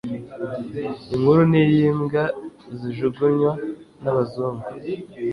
inkuru n'iy'imbwa zijugunywa n'abazungu